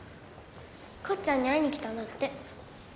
かっちゃんに会いにきたんだって。